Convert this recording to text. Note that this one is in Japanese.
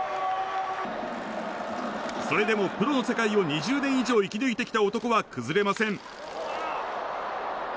それでも、プロの世界を２０年以上生き抜いてきた男は崩れません。